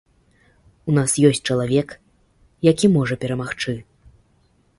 У нас ёсць чалавек, які можа перамагчы.